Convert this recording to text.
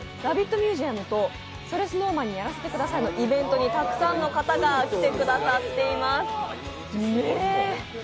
ミュージアムと「それＳｎｏｗＭａｎにやらせて下さい」のイベントにたくさんの方が来てくださっています。